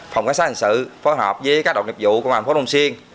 phòng cảnh sát hành sự phối hợp với các độc nhiệm vụ của bàn phố long xuyên